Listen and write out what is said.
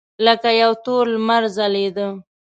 لکه یو تور لمر ځلېده.